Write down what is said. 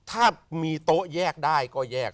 ถ้ามีโต๊ะแยกได้ก็แยก